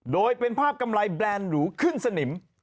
โดยเป็นภาพกำไรแบรนด์หรูขึ้นสนิม